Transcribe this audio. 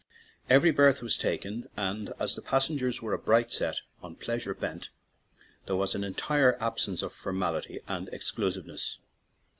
Every berth was taken, and as the passengers were a bright set, " on pleasure bent," there was an entire absence of formality and exclusiveness.